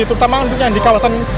terutama untuk yang di kawasan